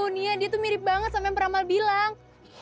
oh dia tuh mirip banget sama yang peramal bilang